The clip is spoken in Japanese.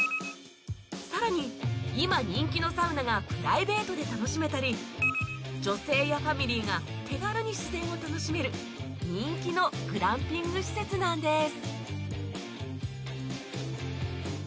さらに今人気のサウナがプライベートで楽しめたり女性やファミリーが手軽に自然を楽しめる人気のグランピング施設なんです